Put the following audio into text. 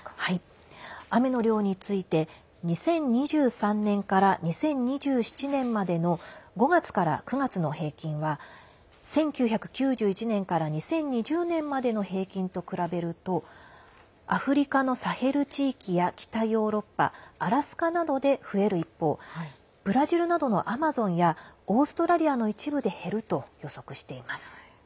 雨の量について２０２３年から２０２７年までの５月から９月の平均は１９９１年から２０２０年までの平均と比べるとアフリカのサヘル地域や北ヨーロッパ、アラスカなどで増える一方ブラジルなどのアマゾンやオーストラリアの一部で減ると予測しています。